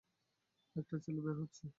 একটা ছেলে বের হচ্ছে!